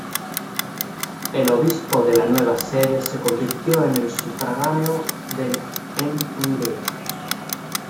El obispo de la nueva sede se convirtió en el sufragáneo del en Hungría.